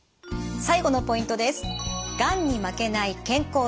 最後のポイントです。